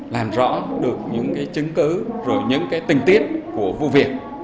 làm rõ được những chứng cứ rồi những tình tiết của vụ việc